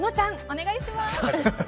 お願いします。